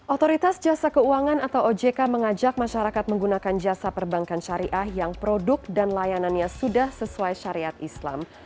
otoritas jasa keuangan atau ojk mengajak masyarakat menggunakan jasa perbankan syariah yang produk dan layanannya sudah sesuai syariat islam